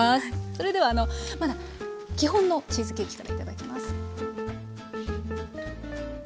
それではまだ基本のチーズケーキからいただきます。